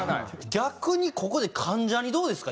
逆にここで関ジャニどうですか？